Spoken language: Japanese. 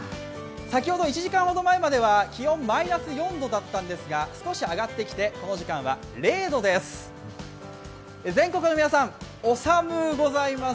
先ほど１時間ほど前までは気温マイナス４度だったんですが少し上がってきて、この時間は０度でございます。